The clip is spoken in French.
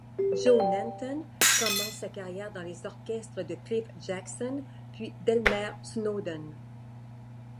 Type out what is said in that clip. Joe Nanton commence sa carrière dans les orchestres de Cliff Jackson puis d’Elmer Snowden.